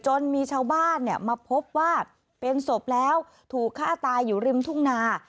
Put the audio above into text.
จนมีชาวบ้านเนี่ยมาพบว่าเป็นศพแล้วถูกฆ่าตายอยู่ริมทุ่งนา